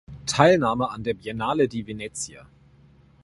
Teilnahme an der Biennale di Venezia.